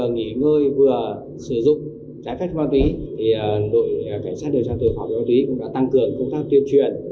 nghỉ ngơi vừa sử dụng trái phép ma túy đội cảnh sát điều tra tội phạm về ma túy cũng đã tăng cường công tác tuyên truyền